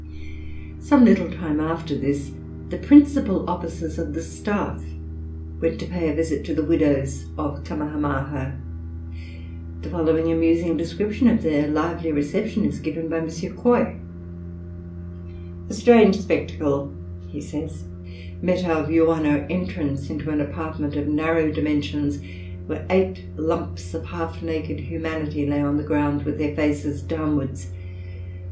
Some little time after this, the principal officers of the staff went to pay a visit to the widows of Kamahamaha. The following amusing description of their lively reception is given by M. Quoy: "A strange spectacle," he says, "met our view on our entrance into an apartment of narrow dimensions, where eight lumps of half naked humanity lay on the ground with their faces downwards.